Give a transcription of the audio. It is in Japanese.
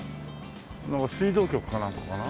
なんか水道局かなんかかな？